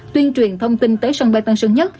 tuyên truyền thông tin tới sân bay tân sơn nhất